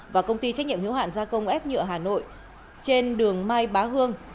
và công ty trách nhiệm hiếu hạn gia công ép nhựa hà nội trên đường mai bá hương